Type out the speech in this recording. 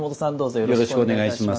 よろしくお願いします。